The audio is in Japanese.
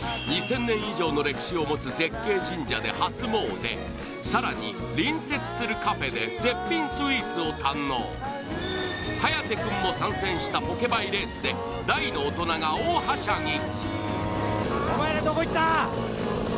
２０００年以上の歴史を持つ絶景神社で初詣さらに隣接するカフェで絶品スイーツを堪能颯君も参戦したポケバイレースで大の大人が大はしゃぎお前らどこ行った？